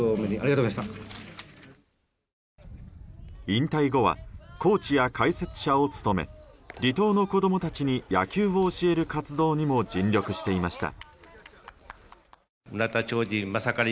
引退後はコーチや解説者を務め離島の子供たちに野球を教える活動にも尽力していました。